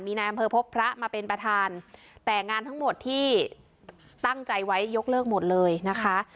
นายอำเภอพบพระมาเป็นประธานแต่งานทั้งหมดที่ตั้งใจไว้ยกเลิกหมดเลยนะคะ